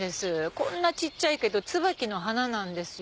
こんな小っちゃいけどツバキの花なんですよ。